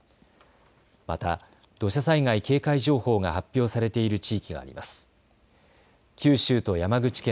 また土砂災害警戒情報が発表されている地域があります。